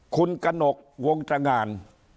คุณกระหนกวงตรงาน